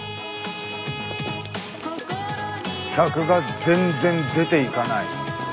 客が全然出ていかない。